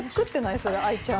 それあいちゃん。